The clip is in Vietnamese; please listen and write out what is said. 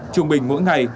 trùng bình mỗi ngày